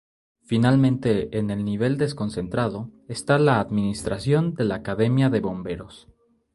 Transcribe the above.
Finalmente en el nivel desconcentrado está la administración de la Academia de Bomberos.